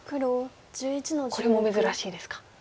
これも珍しいですか。